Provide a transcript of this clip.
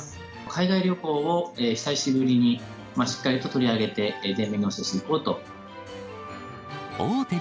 海外旅行を久しぶりにしっかりと取り上げて、前面に押し出してい大手